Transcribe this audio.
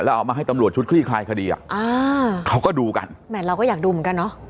เอามาให้ตำรวจชุดคลี่คลายคดีอ่ะอ่าเขาก็ดูกันแหมเราก็อยากดูเหมือนกันเนอะ